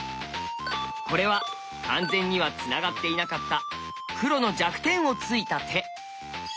これは完全にはつながっていなかった黒の弱点をついた手。